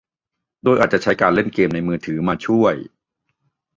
โดยอาจจะใช้การเล่นเกมในมือถือมาช่วย